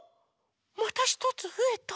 またひとつふえた！